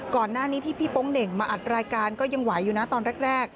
ก่อนหน้านี้ที่พี่โป๊งเหน่งมาอัดรายการก็ยังไหวอยู่นะตอนแรก